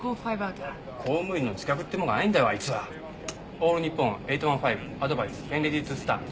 オールニッポン８１５アドバイスホウェンレディトゥスタート。